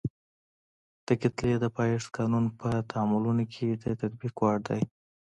د کتلې د پایښت قانون په تعاملونو کې د تطبیق وړ دی.